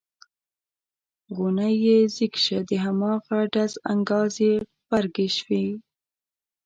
غونی یې ځیږ شي د هماغه ډز انګاز یې غبرګې شي.